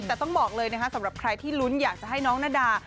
แต่ต้องบอกเลยนะคะสำหรับใครที่ลุ้นอยากจะให้น้องนาดา